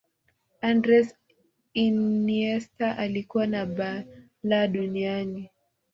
andres iniesta alikuwa na balaa duniani